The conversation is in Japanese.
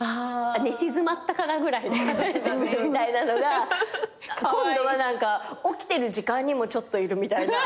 寝静まったかなぐらいで帰ってくるみたいなのが今度は起きてる時間にもちょっといるみたいな。